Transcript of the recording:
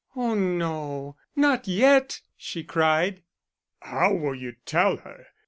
"Oh no not yet," she cried. "How will you tell her?